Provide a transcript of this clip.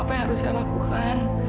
apa yang harus saya lakukan